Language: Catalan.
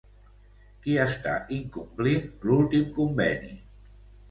Qui està incomplint l'últim conveni?